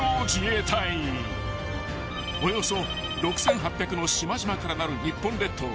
［およそ６，８００の島々からなる日本列島］